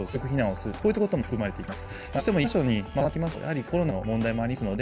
まあこういったことも含まれてきます。